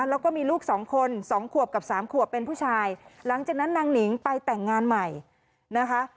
แล้วก็มีลูกสองคนสองขวบกับสามขวบเป็นผู้ชายหลังจากนั้นนางหนิงไปแต่งงานใหม่นะคะ